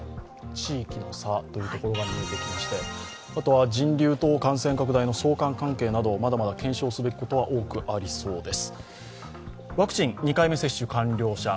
地域の差が見えてきまして、あとは人流と感染拡大の相関関係などまだまだ検証すべきことは多くありそうです。